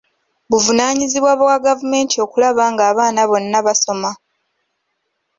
Buvunaanyizibwa bwa gavumenti okulaba ng'abaana bonna basoma.